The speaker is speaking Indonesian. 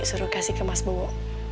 suruh kasih ke mas bowo